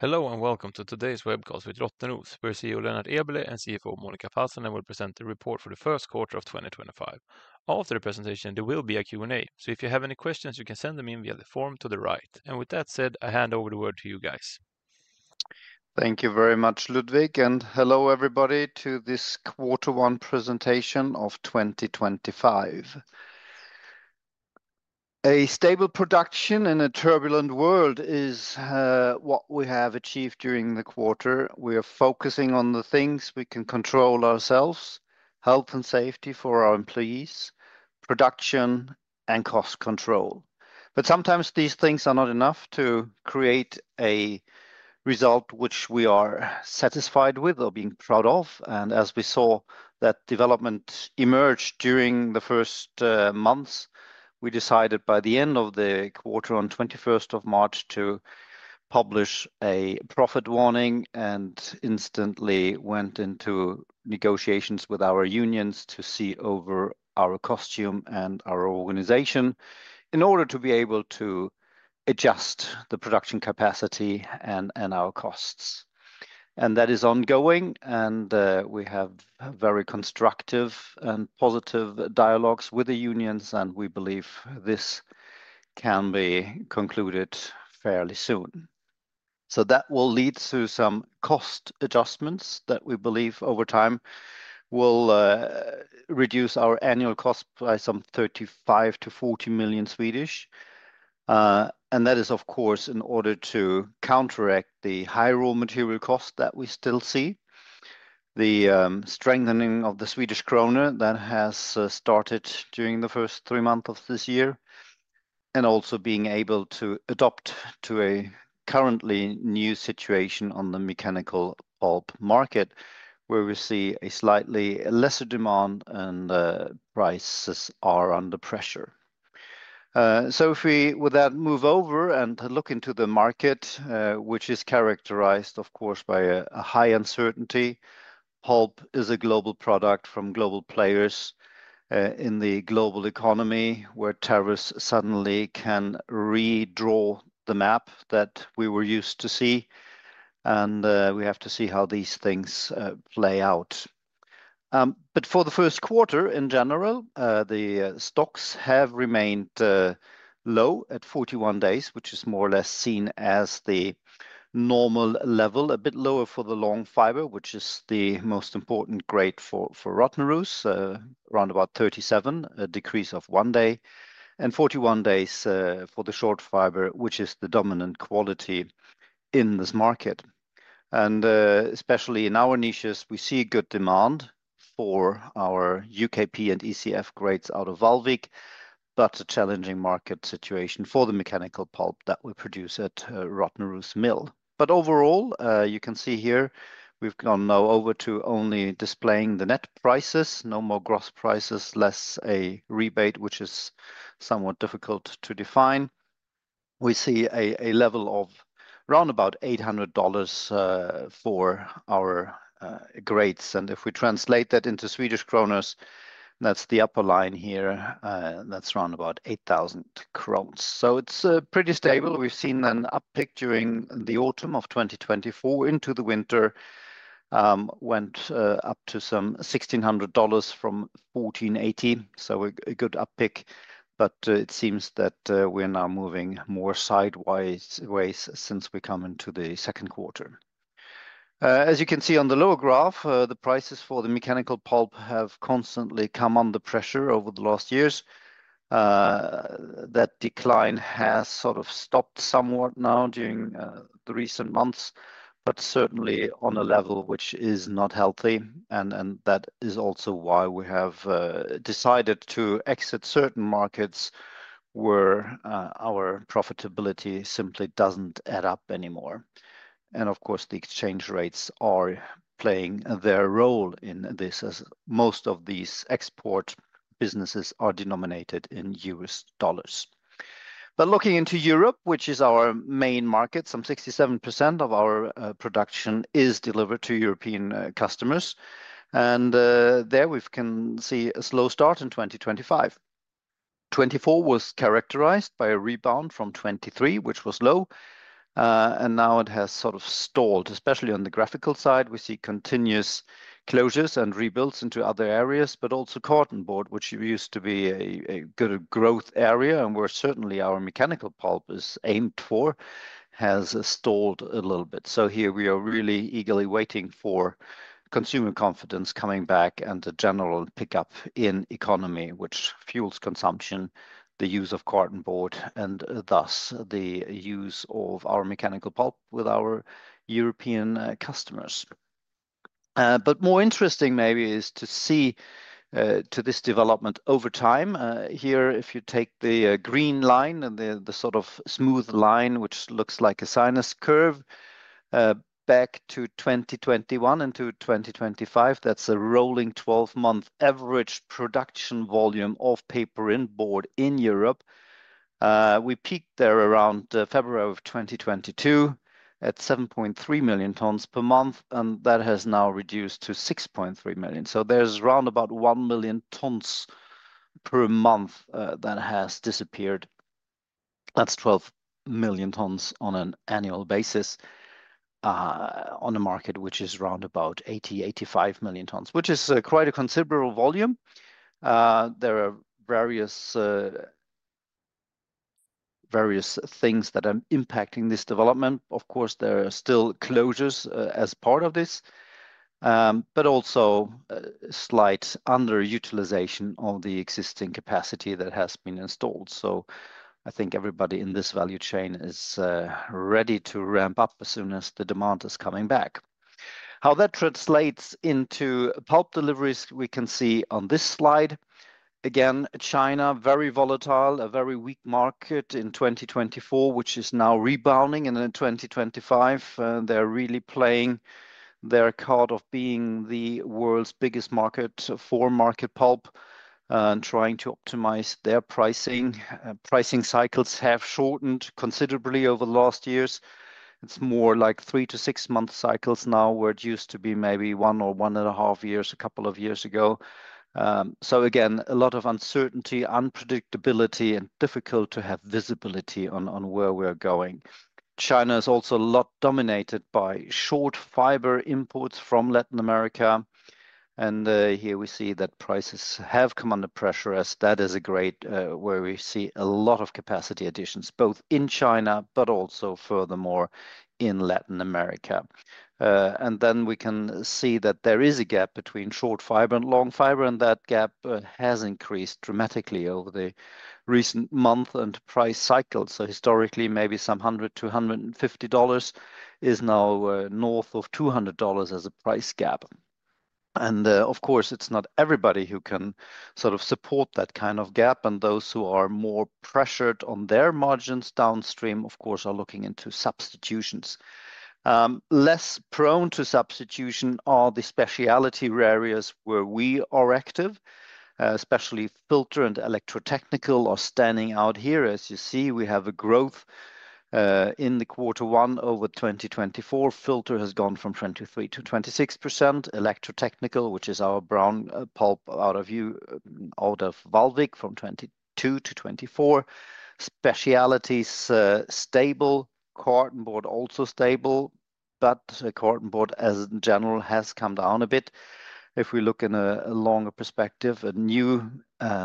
Hello and welcome to today's webcast with Rottneros. We are CEO Lennart Eberleh and CFO Monica Pasanen, and we will present the report for the first quarter of 2025. After the presentation, there will be a Q&A, so if you have any questions, you can send them in via the form to the right. With that said, I hand over the word to you guys. Thank you very much, Ludwig, and hello everybody to this Quarter One Presentation of 2025. A stable production in a turbulent world is what we have achieved during the quarter. We are focusing on the things we can control ourselves: health and safety for our employees, production, and cost control. Sometimes these things are not enough to create a result which we are satisfied with or being proud of. As we saw that development emerge during the first months, we decided by the end of the quarter, on the 21st of March, to publish a profit warning and instantly went into negotiations with our unions to see over our cost and our organization in order to be able to adjust the production capacity and our costs. That is ongoing, and we have very constructive and positive dialogues with the unions, and we believe this can be concluded fairly soon. That will lead to some cost adjustments that we believe over time will reduce our annual cost by 35 million-40 million. That is, of course, in order to counteract the high raw material cost that we still see, the strengthening of the Swedish krona that has started during the first three months of this year, and also being able to adapt to a currently new situation on the mechanical pulp market where we see a slightly lesser demand and prices are under pressure. If we with that move over and look into the market, which is characterized, of course, by a high uncertainty, pulp is a global product from global players in the global economy where tariffs suddenly can redraw the map that we were used to see. We have to see how these things play out. For the first quarter in general, the stocks have remained low at 41 days, which is more or less seen as the normal level, a bit lower for the long fiber, which is the most important grade for Rottneros, around about 37, a decrease of one day, and 41 days for the short fiber, which is the dominant quality in this market. Especially in our niches, we see good demand for our UKP and ECF grades out of Vallvik, but a challenging market situation for the mechanical pulp that we produce at Rottneros Mill. Overall, you can see here we have gone now over to only displaying the net prices, no more gross prices, less a rebate, which is somewhat difficult to define. We see a level of around about $800 for our grades. If we translate that into SEK, that is the upper line here. That is around about 8,000 kronor. It is pretty stable. We have seen an uptick during the autumn of 2024 into the winter, went up to some $1,600 from $1,480. A good uptick, but it seems that we are now moving more sideways since we come into the second quarter. As you can see on the lower graph, the prices for the mechanical pulp have constantly come under pressure over the last years. That decline has sort of stopped somewhat now during the recent months, but certainly on a level which is not healthy. That is also why we have decided to exit certain markets where our profitability simply does not add up anymore. Of course, the exchange rates are playing their role in this, as most of these export businesses are denominated in US dollars. Looking into Europe, which is our main market, some 67% of our production is delivered to European customers. There we can see a slow start in 2025. 2024 was characterized by a rebound from 2023, which was low. Now it has sort of stalled, especially on the graphical side. We see continuous closures and rebuilds into other areas, but also cotton board, which used to be a good growth area, and where certainly our mechanical pulp is aimed for, has stalled a little bit. Here we are really eagerly waiting for consumer confidence coming back and the general pickup in the economy, which fuels consumption, the use of cotton board, and thus the use of our mechanical pulp with our European customers. More interesting maybe is to see this development over time here. If you take the green line and the sort of smooth line, which looks like a sinus curve back to 2021 into 2025, that is a rolling 12-month average production volume of paper and board in Europe. We peaked there around February of 2022 at 7.3 million tons per month, and that has now reduced to 6.3 million. There is around about 1 million tons per month that has disappeared. That is 12 million tons on an annual basis on a market which is around 80-85 million tons, which is quite a considerable volume. There are various things that are impacting this development. Of course, there are still closures as part of this, but also slight underutilization of the existing capacity that has been installed. I think everybody in this value chain is ready to ramp up as soon as the demand is coming back. How that translates into pulp deliveries, we can see on this slide. Again, China, very volatile, a very weak market in 2024, which is now rebounding. In 2025, they are really playing their card of being the world's biggest market for market pulp and trying to optimize their pricing. Pricing cycles have shortened considerably over the last years. It's more like three- to six-month cycles now, where it used to be maybe one or 1.5 years a couple of years ago. Again, a lot of uncertainty, unpredictability, and difficult to have visibility on where we're going. China is also a lot dominated by short fiber imports from Latin America. Here we see that prices have come under pressure, as that is a grade where we see a lot of capacity additions, both in China and furthermore in Latin America. We can see that there is a gap between short fiber and long fiber, and that gap has increased dramatically over the recent month and price cycle. Historically, maybe some $100-$150 is now north of $200 as a price gap. Of course, it's not everybody who can sort of support that kind of gap. Those who are more pressured on their margins downstream, of course, are looking into substitutions. Less prone to substitution are the specialty rare areas where we are active, especially filter and electrotechnical are standing out here. As you see, we have a growth in the quarter one over 2024. Filter has gone from 23% to 26%, electrotechnical, which is our brown pulp out of Vallvik, from 22% to 24%. Specialties stable, cotton board also stable, but cotton board as in general has come down a bit. If we look in a longer perspective, a new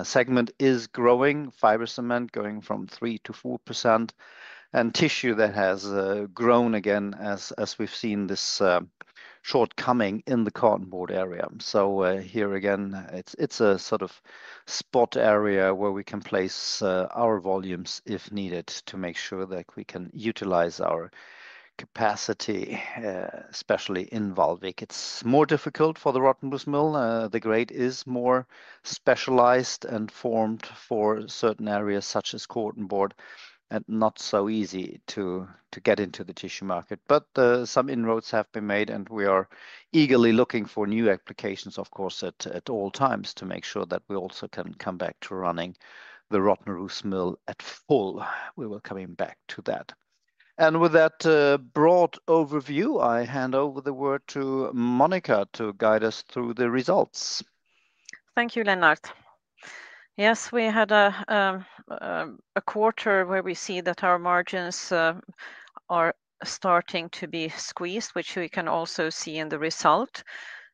segment is growing, fiber cement going from 3% to 4%, and tissue that has grown again as we have seen this shortcoming in the cotton board area. Here again, it's a sort of spot area where we can place our volumes if needed to make sure that we can utilize our capacity, especially in Vallvik. It's more difficult for the Rottneros Mill. The grade is more specialized and formed for certain areas such as cotton board and not so easy to get into the tissue market. Some inroads have been made, and we are eagerly looking for new applications, of course, at all times to make sure that we also can come back to running the Rottneros Mill at full. We will come back to that. With that broad overview, I hand over the word to Monica to guide us through the results. Thank you, Lennart. Yes, we had a quarter where we see that our margins are starting to be squeezed, which we can also see in the result.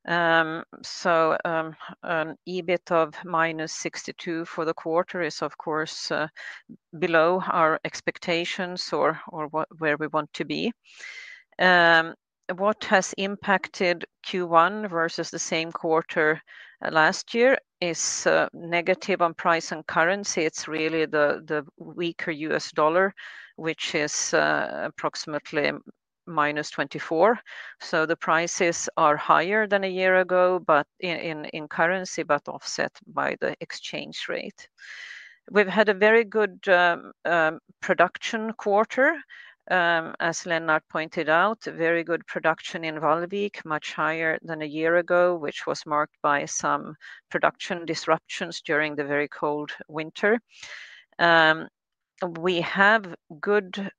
So an EBIT of -62 million for the quarter is, of course, below our expectations or where we want to be. What has impacted Q1 versus the same quarter last year is negative on price and currency. It's really the weaker US dollar, which is approximately -24 million. The prices are higher than a year ago, but in currency, but offset by the exchange rate. We've had a very good production quarter, as Lennart pointed out, very good production in Vallvik, much higher than a year ago, which was marked by some production disruptions during the very cold winter. We have good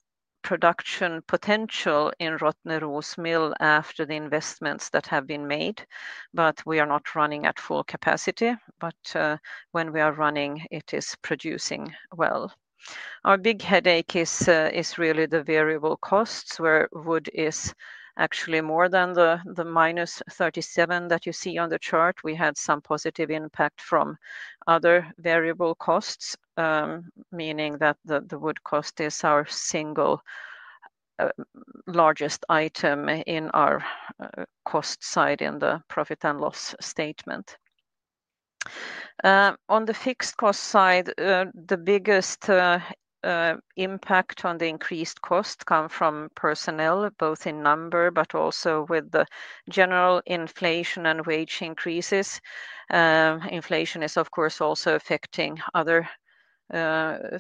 production potential in Rottneros Mill after the investments that have been made, but we are not running at full capacity. When we are running, it is producing well. Our big headache is really the variable costs, where wood is actually more than the -37 that you see on the chart. We had some positive impact from other variable costs, meaning that the wood cost is our single largest item in our cost side in the profit and loss statement. On the fixed cost side, the biggest impact on the increased costs comes from personnel, both in number, but also with the general inflation and wage increases. Inflation is, of course, also affecting other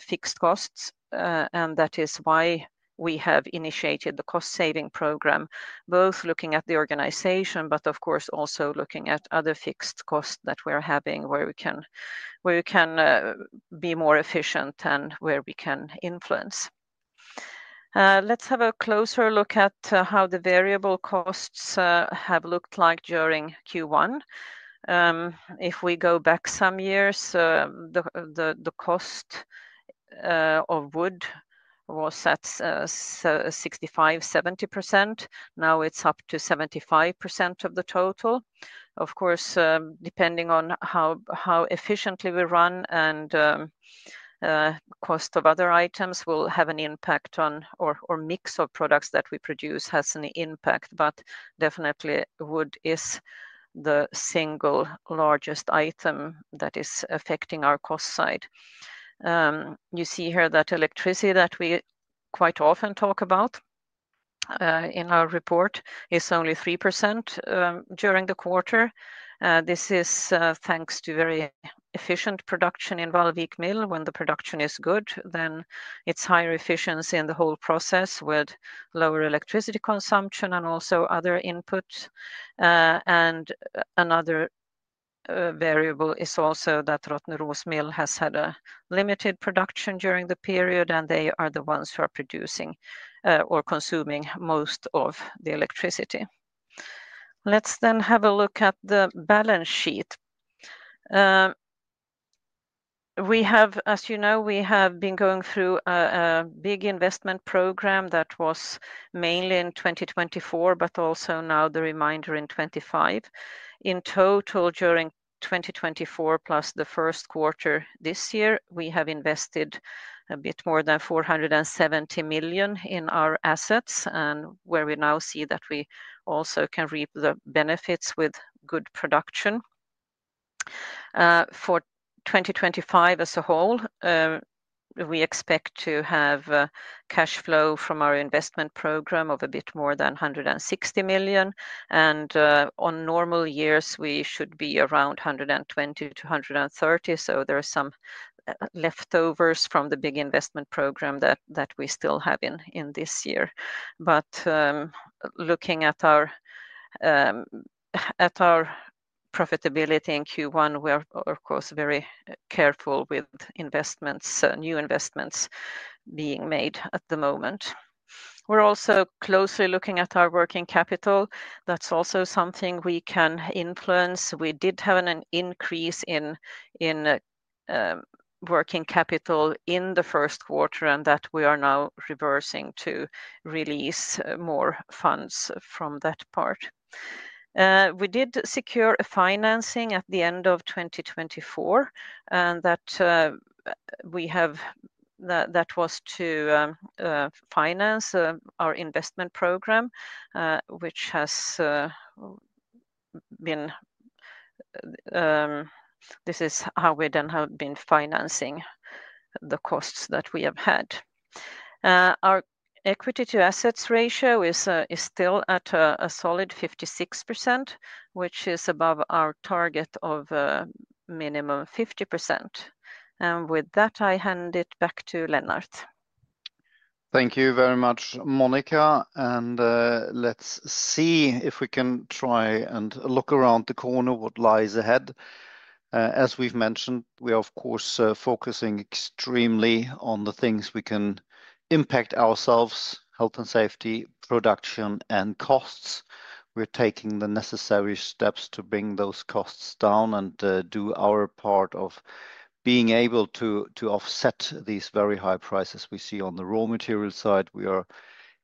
fixed costs, and that is why we have initiated the cost-saving program, both looking at the organization, but of course also looking at other fixed costs that we're having where we can be more efficient and where we can influence. Let's have a closer look at how the variable costs have looked like during Q1. If we go back some years, the cost of wood was at 65%-70%. Now it is up to 75% of the total. Of course, depending on how efficiently we run and the cost of other items will have an impact on or mix of products that we produce has an impact, but definitely wood is the single largest item that is affecting our cost side. You see here that electricity that we quite often talk about in our report is only 3% during the quarter. This is thanks to very efficient production in Vallvik Mill. When the production is good, then it is higher efficiency in the whole process with lower electricity consumption and also other inputs. Another variable is also that Rottneros Mill has had a limited production during the period, and they are the ones who are producing or consuming most of the electricity. Let's then have a look at the balance sheet. We have, as you know, we have been going through a big investment program that was mainly in 2024, but also now the remainder in 2025. In total, during 2024 plus the first quarter this year, we have invested a bit more than 470 million in our assets, and where we now see that we also can reap the benefits with good production. For 2025 as a whole, we expect to have cash flow from our investment program of a bit more than 160 million. On normal years, we should be around 120 million-130 million. There are some leftovers from the big investment program that we still have in this year. Looking at our profitability in Q1, we're of course very careful with investments, new investments being made at the moment. We're also closely looking at our working capital. That's also something we can influence. We did have an increase in working capital in the first quarter and that we are now reversing to release more funds from that part. We did secure financing at the end of 2024 and that was to finance our investment program, which has been how we then have been financing the costs that we have had. Our equity to assets ratio is still at a solid 56%, which is above our target of minimum 50%. With that, I hand it back to Lennart. Thank you very much, Monica. Let's see if we can try and look around the corner at what lies ahead. As we've mentioned, we are of course focusing extremely on the things we can impact ourselves: health and safety, production, and costs. We're taking the necessary steps to bring those costs down and do our part of being able to offset these very high prices we see on the raw material side. We are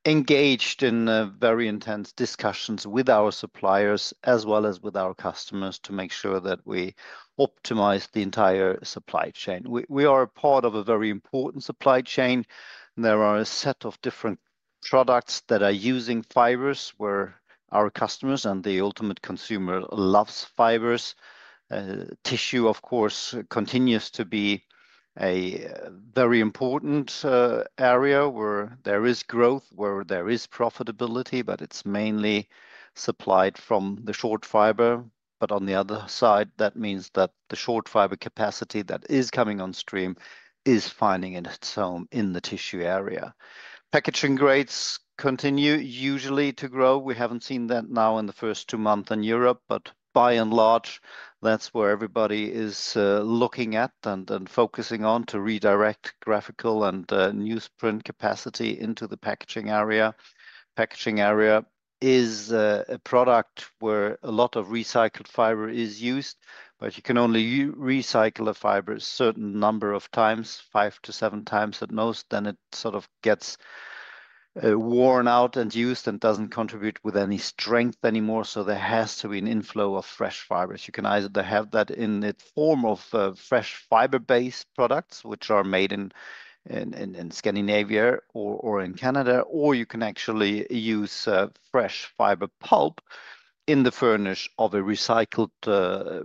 engaged in very intense discussions with our suppliers as well as with our customers to make sure that we optimize the entire supply chain. We are a part of a very important supply chain. There are a set of different products that are using fibers where our customers and the ultimate consumer loves fibers. Tissue, of course, continues to be a very important area where there is growth, where there is profitability, but it's mainly supplied from the short fiber. On the other side, that means that the short fiber capacity that is coming on stream is finding its home in the tissue area. Packaging grades continue usually to grow. We haven't seen that now in the first two months in Europe, but by and large, that's where everybody is looking at and focusing on to redirect graphical and newsprint capacity into the packaging area. Packaging area is a product where a lot of recycled fiber is used, but you can only recycle a fiber a certain number of times, five to seven times at most. It sort of gets worn out and used and doesn't contribute with any strength anymore. There has to be an inflow of fresh fibers. You can either have that in the form of fresh fiber-based products, which are made in Scandinavia or in Canada, or you can actually use fresh fiber pulp in the furnish of a recycled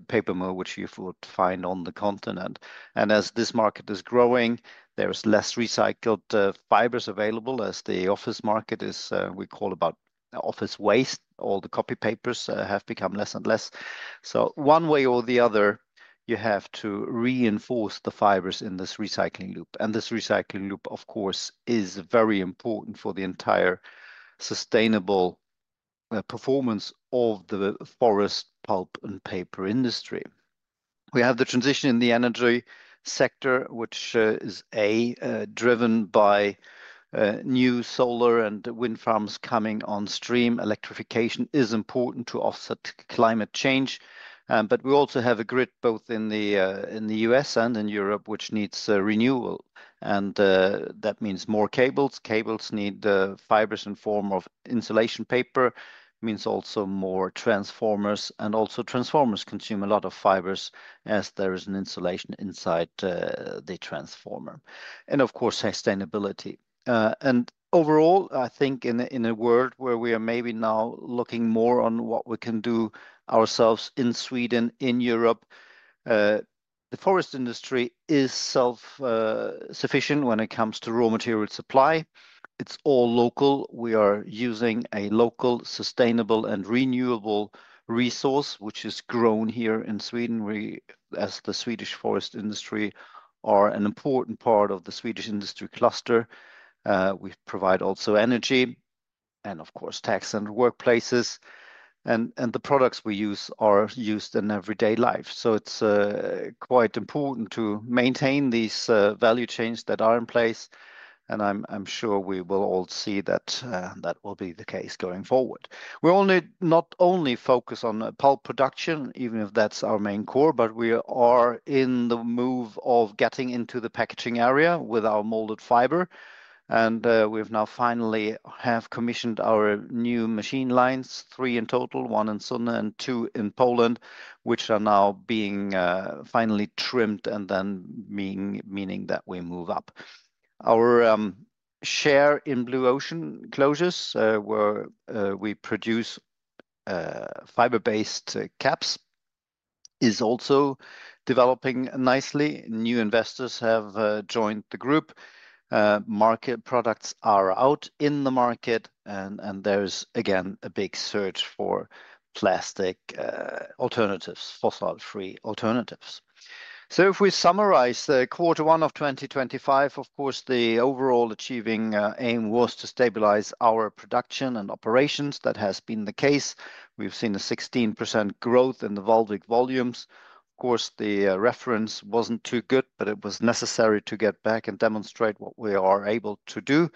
paper mill, which you would find on the continent. As this market is growing, there is less recycled fibers available as the office market is, we call about office waste. All the copy papers have become less and less. One way or the other, you have to reinforce the fibers in this recycling loop. This recycling loop, of course, is very important for the entire sustainable performance of the forest pulp and paper industry. We have the transition in the energy sector, which is driven by new solar and wind farms coming on stream. Electrification is important to offset climate change. We also have a grid both in the U.S. and in Europe, which needs renewal. That means more cables. Cables need fibers in the form of insulation paper. It means also more transformers. Also, transformers consume a lot of fibers as there is insulation inside the transformer. Of course, sustainability. Overall, I think in a world where we are maybe now looking more on what we can do ourselves in Sweden, in Europe, the forest industry is self-sufficient when it comes to raw material supply. It is all local. We are using a local sustainable and renewable resource, which is grown here in Sweden. We, as the Swedish forest industry, are an important part of the Swedish industry cluster. We provide also energy and, of course, tax and workplaces. The products we use are used in everyday life. It is quite important to maintain these value chains that are in place. I am sure we will all see that that will be the case going forward. We not only focus on pulp production, even if that is our main core, but we are in the move of getting into the packaging area with our molded fiber. We have now finally commissioned our new machine lines, three in total, one in Sunne and two in Poland, which are now being finally trimmed, meaning that we move up. Our share in Blue Ocean Closures, where we produce fiber-based caps, is also developing nicely. New investors have joined the group. Market products are out in the market. There is again a big search for plastic alternatives, fossil-free alternatives. If we summarize the quarter one of 2025, of course, the overall achieving aim was to stabilize our production and operations. That has been the case. We've seen a 16% growth in the Vallvik volumes. Of course, the reference wasn't too good, but it was necessary to get back and demonstrate what we are able to do.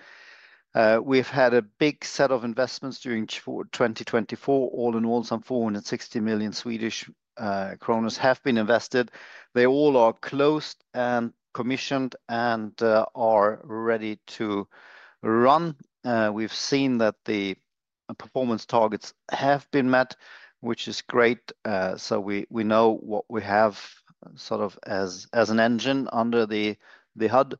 We've had a big set of investments during 2024. All in all, some 460 million Swedish kronor have been invested. They all are closed and commissioned and are ready to run. We've seen that the performance targets have been met, which is great. We know what we have sort of as an engine under the hood.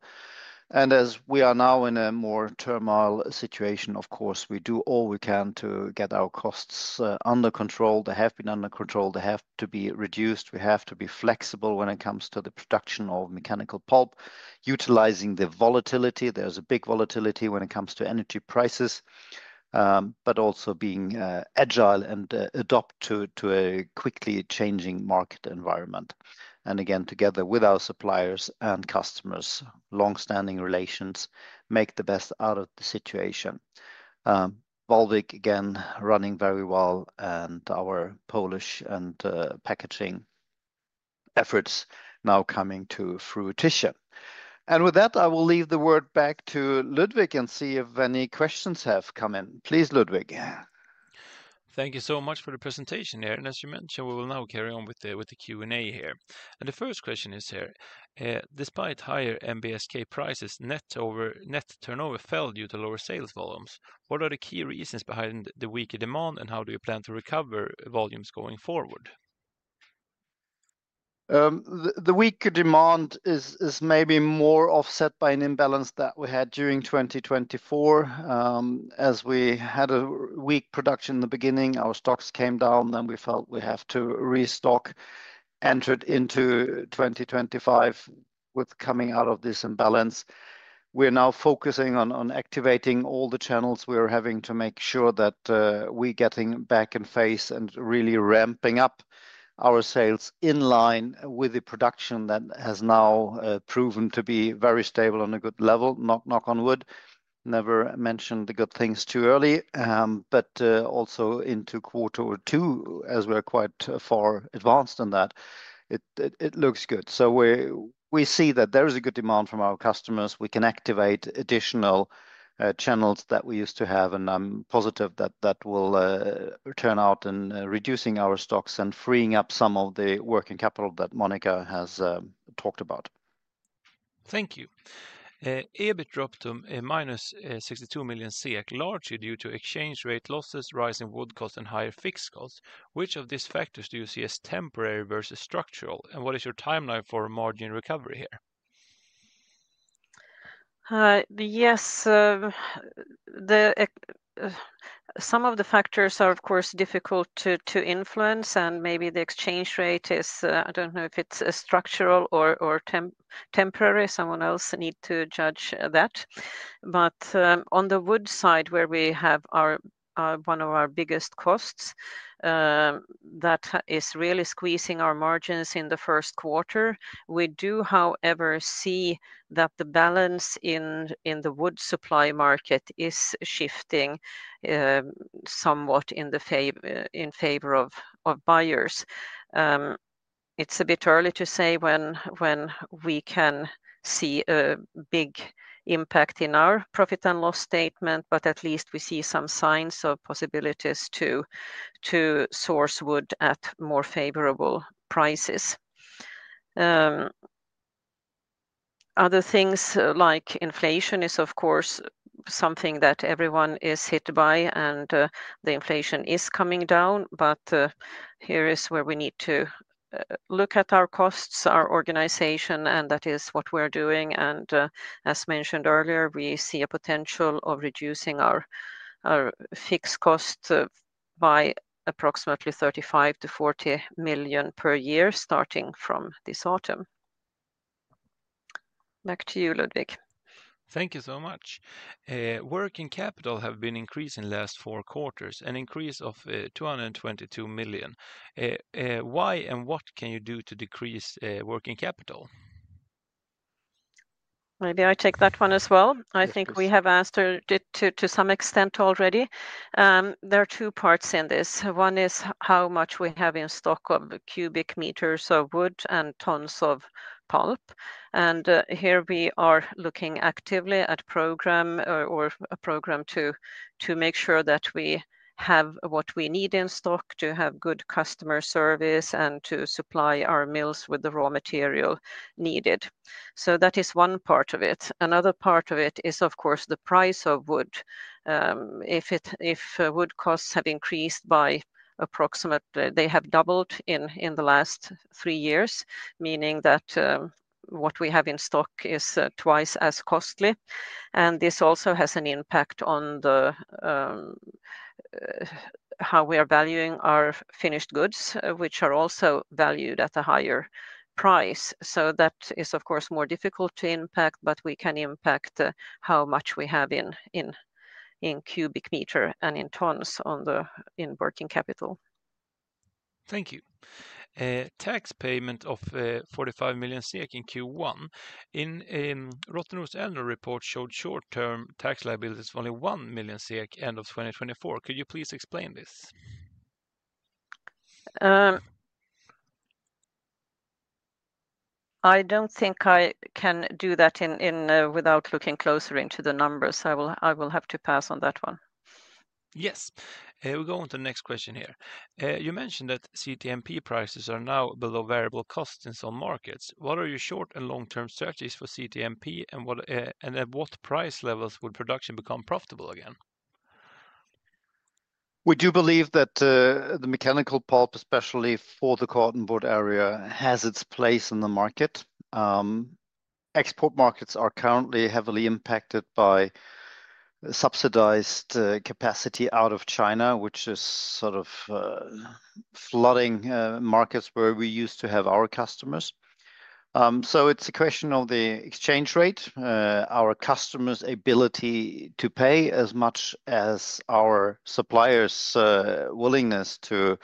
As we are now in a more turmoil situation, of course, we do all we can to get our costs under control. They have been under control. They have to be reduced. We have to be flexible when it comes to the production of mechanical pulp, utilizing the volatility. There is a big volatility when it comes to energy prices, but also being agile and adapt to a quickly changing market environment. Again, together with our suppliers and customers, long-standing relations make the best out of the situation. Baltic, again, running very well, and our Polish and packaging efforts now coming to fruition. With that, I will leave the word back to Ludwig and see if any questions have come in. Please, Ludwig. Thank you so much for the presentation, Eber. As you mentioned, we will now carry on with the Q&A here. The first question is here. Despite higher MBSK prices, net turnover fell due to lower sales volumes. What are the key reasons behind the weaker demand, and how do you plan to recover volumes going forward? The weaker demand is maybe more offset by an imbalance that we had during 2024. As we had a weak production in the beginning, our stocks came down, and we felt we have to restock. Entered into 2025 with coming out of this imbalance, we're now focusing on activating all the channels we are having to make sure that we're getting back in phase and really ramping up our sales in line with the production that has now proven to be very stable on a good level. Knock on wood, never mention the good things too early, but also into quarter two, as we're quite far advanced in that, it looks good. We see that there is a good demand from our customers. We can activate additional channels that we used to have, and I'm positive that that will turn out in reducing our stocks and freeing up some of the working capital that Monica has talked about. Thank you. EBIT dropped to -62 million SEK largely due to exchange rate losses, rising wood costs, and higher fixed costs. Which of these factors do you see as temporary versus structural? What is your timeline for margin recovery here? Yes. Some of the factors are, of course, difficult to influence, and maybe the exchange rate is, I do not know if it is structural or temporary. Someone else needs to judge that. On the wood side, where we have one of our biggest costs, that is really squeezing our margins in the first quarter. We do, however, see that the balance in the wood supply market is shifting somewhat in favor of buyers. It is a bit early to say when we can see a big impact in our profit and loss statement, but at least we see some signs of possibilities to source wood at more favorable prices. Other things like inflation is, of course, something that everyone is hit by, and the inflation is coming down, but here is where we need to look at our costs, our organization, and that is what we are doing. As mentioned earlier, we see a potential of reducing our fixed costs by approximately 35 million-40 million per year starting from this autumn. Back to you, Ludwig. Thank you so much. Working capital has been increasing in the last four quarters, an increase of 222 million. Why and what can you do to decrease working capital? Maybe I take that one as well. I think we have answered it to some extent already. There are two parts in this. One is how much we have in stock of cubic meters of wood and tons of pulp. Here we are looking actively at a program to make sure that we have what we need in stock to have good customer service and to supply our mills with the raw material needed. That is one part of it. Another part of it is, of course, the price of wood. If wood costs have increased by approximately, they have doubled in the last three years, meaning that what we have in stock is twice as costly. This also has an impact on how we are valuing our finished goods, which are also valued at a higher price. That is, of course, more difficult to impact, but we can impact how much we have in cubic meter and in tons in working capital. Thank you. Tax payment of 45 million SEK in Q1. Rottneros Lennart report showed short-term tax liabilities of only 1 million SEK end of 2024. Could you please explain this? I don't think I can do that without looking closer into the numbers. I will have to pass on that one. Yes. We'll go on to the next question here. You mentioned that CTMP prices are now below variable costs in some markets. What are your short and long-term strategies for CTMP, and at what price levels would production become profitable again? We do believe that the mechanical pulp, especially for the cotton board area, has its place in the market. Export markets are currently heavily impacted by subsidized capacity out of China, which is sort of flooding markets where we used to have our customers. It is a question of the exchange rate, our customers' ability to pay as much as our suppliers' willingness to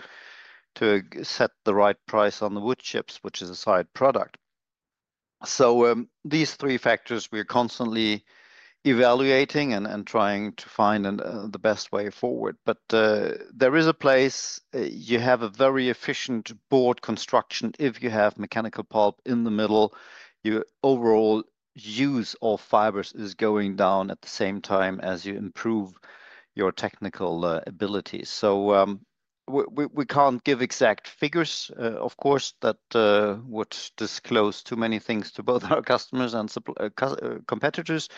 set the right price on the wood chips, which is a side product. These three factors we are constantly evaluating and trying to find the best way forward. There is a place. You have a very efficient board construction if you have mechanical pulp in the middle. Your overall use of fibers is going down at the same time as you improve your technical abilities. We cannot give exact figures, of course, that would disclose too many things to both our customers and competitors.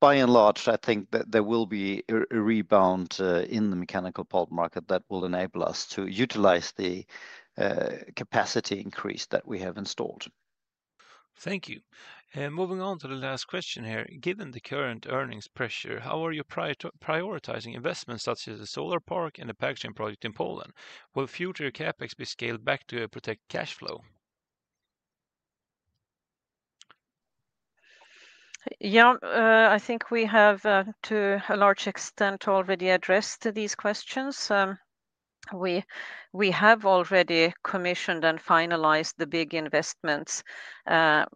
By and large, I think that there will be a rebound in the mechanical pulp market that will enable us to utilize the capacity increase that we have installed. Thank you. Moving on to the last question here. Given the current earnings pressure, how are you prioritizing investments such as a solar park and a packaging project in Poland? Will future CapEx be scaled back to protect cash flow? Yeah, I think we have to a large extent already addressed these questions. We have already commissioned and finalized the big investments. Now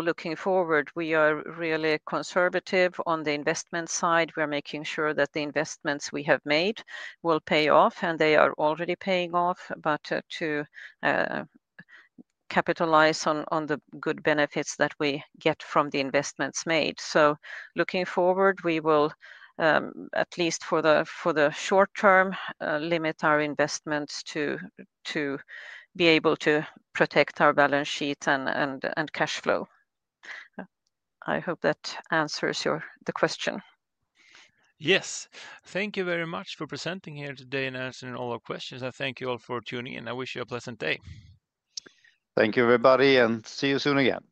looking forward, we are really conservative on the investment side. We're making sure that the investments we have made will pay off, and they are already paying off, but to capitalize on the good benefits that we get from the investments made. Looking forward, we will, at least for the short term, limit our investments to be able to protect our balance sheet and cash flow. I hope that answers the question. Yes. Thank you very much for presenting here today and answering all our questions. Thank you all for tuning in. I wish you a pleasant day. Thank you, everybody, and see you soon again.